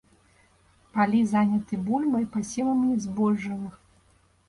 Палі заняты бульбай, пасевамі збожжавых.